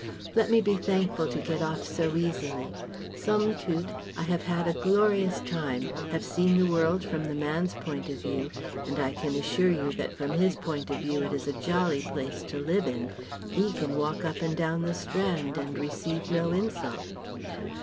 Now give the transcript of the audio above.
"Let me be thankful to get off so easily! Somme toute, I have had a glorious time, have seen the world from the man's point of view and I can assure you that from his point of view it is a jolly place to live in He can walk up and down the Strand and receive no insult.